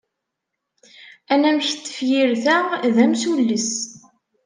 Anamek n tefyirt-a d amsulles.